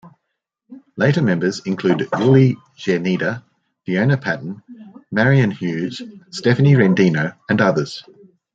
Later members included Julie Czerneda, Fiona Patton, Marian Hughes, Stephanie Rendino and others.